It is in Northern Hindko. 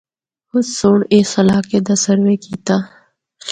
اُس سنڑ اس علاقے دا سروے کیتا۔